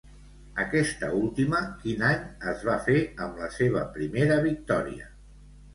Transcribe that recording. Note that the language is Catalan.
Aquesta última, quin any es va fer amb la seva primera victòria?